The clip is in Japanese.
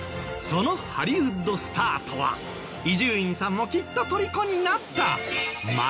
そのハリウッドスターとは伊集院さんもきっと虜になった。